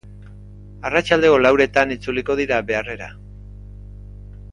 Arratsaldeko lauretan itzuliko dira beharrera.